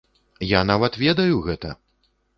Я нават ведаю гэта!